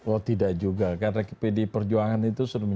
oh tidak juga karena pd perjuangan itu seru menjelaskan